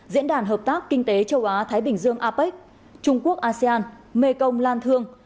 diễn đàn hợp tác kinh tế châu á thái bình dương apec trung quốc asean mekong lan thương